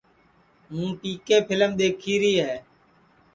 ہوں پی کے پھیلم دؔیکھیری ہے